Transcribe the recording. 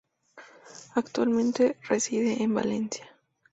Actualmente reside en Valencia.